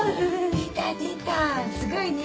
すごいね。